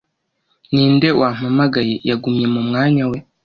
Ninde wampamagaye yagumye mu mwanya we